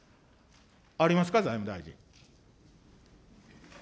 ありますか、財務大臣。